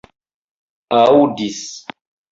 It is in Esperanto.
aŭdis